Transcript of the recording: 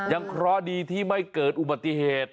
เคราะห์ดีที่ไม่เกิดอุบัติเหตุ